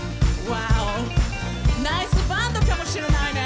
ナイスバンドかもしれないね。